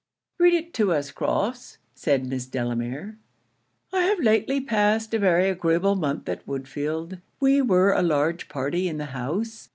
'Read it to us Crofts' said Miss Delamere. 'I have lately passed a very agreeable month at Woodfield. We were a large party in the house.